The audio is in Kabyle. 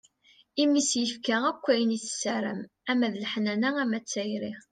Imi i s-yefka akk ayen i tessaram ama d leḥnana, ama d tayri.